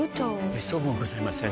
めっそうもございません。